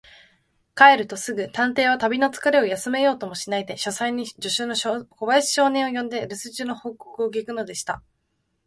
帰るとすぐ、探偵は旅のつかれを休めようともしないで、書斎に助手の小林少年を呼んで、るす中の報告を聞くのでした。